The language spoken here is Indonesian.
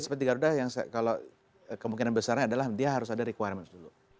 kalau untuk perusahaan seperti garuda yang kemungkinan besarnya adalah dia harus ada requirement dulu